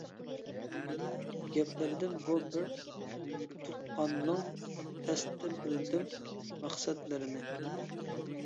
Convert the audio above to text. گەپلىرىدىن بۇ بىر تۇغقاننىڭ، تەستە بىلدىم مەقسەتلىرىنى.